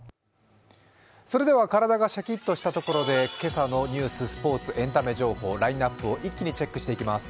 体がシャキッとしたところで今朝のニュース、スポーツ、エンタメ、ラインナップを一気にチェックしていきます。